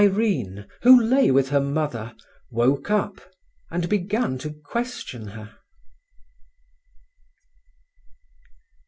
Irene, who lay with her mother, woke up and began to question her.